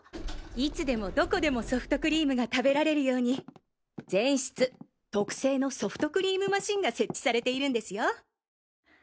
いつでもどこでもソフトクリームが食べられるように全室特製のソフトクリームマシンが設置されているんですよ。